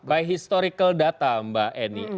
by historical data mbak eni